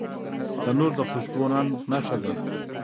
تنور د خوشبو نان نښه ده